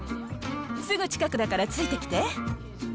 すぐ近くだからついてきて。